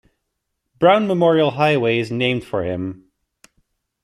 Brown memorial highway is named for him.